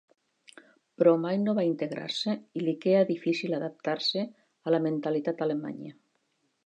Però mai no va integrar-se i li queia difícil adaptar-se a la mentalitat alemanya.